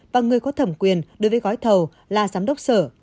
và người có thẩm quyền đưa về gói thầu là giám đốc sở